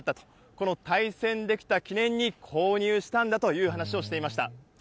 この対戦できた記念に、購入したんだという話をしていました。